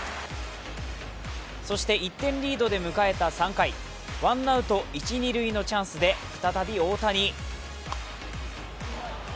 そして１点リードで迎えた３回ワンアウト一・二塁のチャンスで再び大谷。